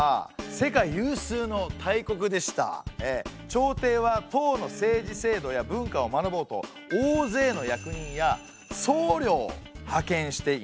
朝廷は唐の政治制度や文化を学ぼうと大勢の役人や僧侶を派遣していました。